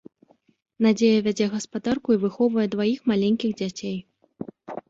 Надзея вядзе гаспадарку і выхоўвае дваіх маленькіх дзяцей.